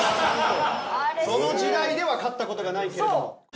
その時代では勝った事がないけれども。